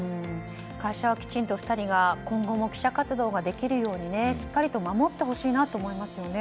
会社はきちんと２人が今後も記者活動ができるようにしっかりと守ってほしいなと思いますよね。